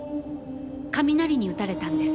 雷に打たれたんです。